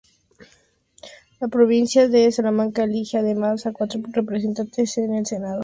La provincia de Salamanca elige además a cuatro representantes en el Senado.